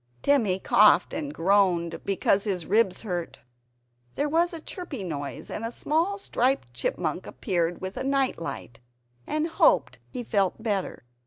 Timmy coughed and groaned, because his ribs hurted him. There was a chirpy noise, and a small striped Chipmunk appeared with a night light, and hoped he felt better?